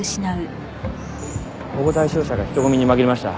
保護対象者が人混みに紛れました。